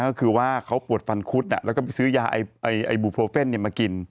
ก็คือว่าเขาปวดฟันคุดแล้วก็ไปซื้อยาไอบูโพเฟ่นมากิน